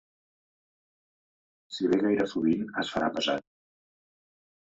Si ve gaire sovint, es farà pesat.